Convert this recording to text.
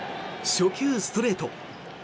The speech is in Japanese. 初球、ストレート。